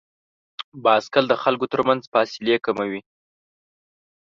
بایسکل د خلکو تر منځ فاصلې کموي.